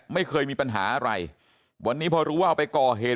ไม่เคยมีปัญหาอะไรวันนี้พอรู้ว่าเอาไปก่อเหตุ